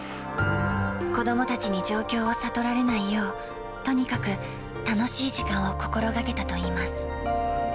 子どもたちに状況を悟られないよう、とにかく楽しい時間を心がけたといいます。